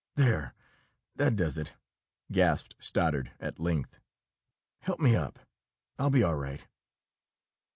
"There that does it!" gasped Stoddard, at length. "Help me up. I'll be all right."